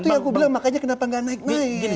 itu yang aku bilang makanya kenapa gak naik naik